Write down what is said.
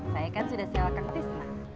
saya kan sudah sewa kang tisna